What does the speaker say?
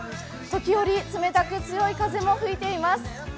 時折、冷たく強い風も吹いています